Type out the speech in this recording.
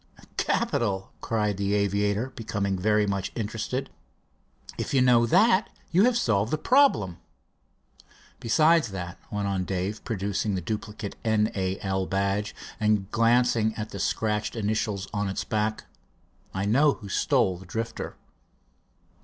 "Capital!" cried the aviator, becoming very much interested. "If you know that, you have half solved the problem." "Besides that," went on Dave, producing the duplicate N. A. L. badge, and glancing at the scratched initials on its back, "I know who stole the Drifter."